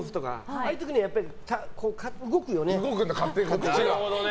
ああいう時には動くよね。